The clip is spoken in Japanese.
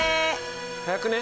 早くね？